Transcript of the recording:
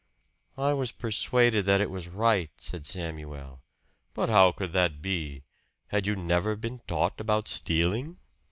"I was persuaded that it was right," said Samuel. "But how could that be? Had you never been taught about stealing?"